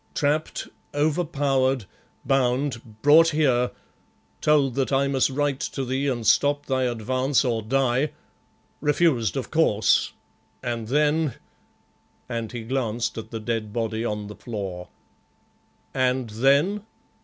"Trapped, overpowered, bound, brought here, told that I must write to thee and stop thy advance, or die refused, of course, and then " and he glanced at the dead body on the floor. "And then?"